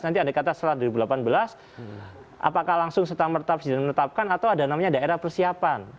nanti ada kata setelah dua ribu delapan belas apakah langsung serta merta presiden menetapkan atau ada namanya daerah persiapan